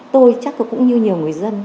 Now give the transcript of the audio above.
tôi chắc cũng như nhiều người dân